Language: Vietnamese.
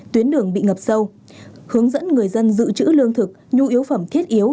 tuyến đường bị ngập sâu hướng dẫn người dân giữ chữ lương thực nhu yếu phẩm thiết yếu